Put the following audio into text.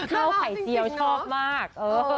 ข้าวไข่เจียวชอบมาก